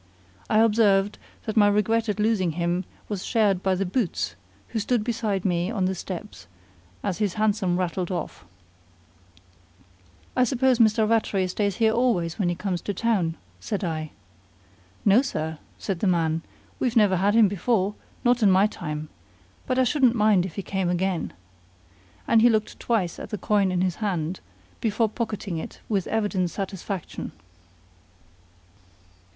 I observed that my regret at losing him was shared by the boots, who stood beside me on the steps as his hansom rattled off. "I suppose Mr. Rattray stays here always when he comes to town?" said I. "No, sir," said the man, "we've never had him before, not in my time; but I shouldn't mind if he came again." And he looked twice at the coin in his hand before pocketing it with evident satisfaction.